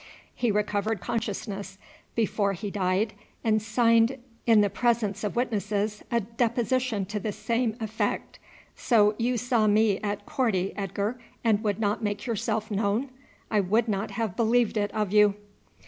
He recovered consciousness before he died, and signed in the presence of witnesses a deposition to the same effect. So you saw me at Korti, Edgar, and would not make yourself known? I would not have believed it of you."